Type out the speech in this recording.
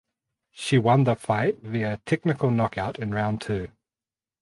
She won the fight via technical knockout in round two.